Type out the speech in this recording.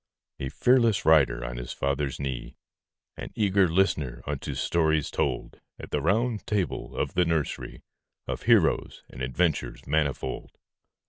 A fearless rider on his father's knee, An eager listener unto stories told At the Round Table of the nursery, Of heroes and adventures manifold.